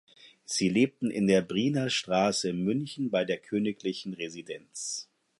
Sie lebten in der Brienner Straße in München bei der Königlichen Residenz.